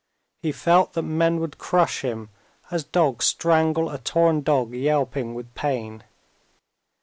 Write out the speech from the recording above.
He felt that men would crush him as dogs strangle a torn dog yelping with pain.